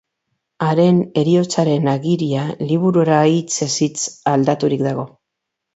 Haren heriotzaren agiria liburura hitzez hitz aldaturik dago.